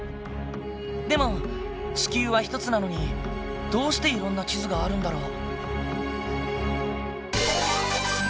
でも地球は１つなのにどうしていろんな地図があるんだろう？